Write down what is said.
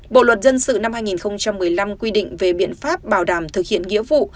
bộ luật dân sự năm hai nghìn một mươi năm quy định về biện pháp bảo đảm thực hiện nghĩa vụ